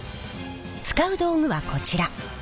使う道具はこちら。